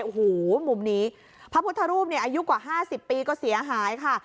โอ้โหมุมนี้พระพุทธรูปเนี่ยอายุกว่า๕๐ปีก็เสียหายค่ะ